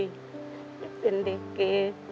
จะเป็นเด็กเก